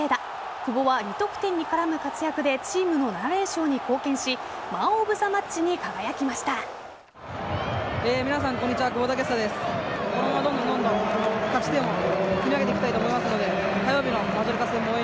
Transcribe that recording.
久保は、２得点に絡む活躍でチームの７連勝に貢献しマン・オブ・ザ・マッチに輝きました。